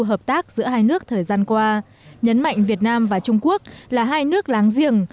hợp tác giữa hai nước thời gian qua nhấn mạnh việt nam và trung quốc là hai nước láng giềng